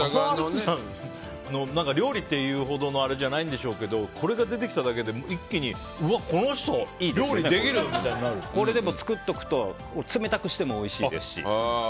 笠原さんの料理っていうほどのあれじゃないんでしょうけどこれが出てきただけで一気にこの人作っておくと冷たくしても、おいしいですし。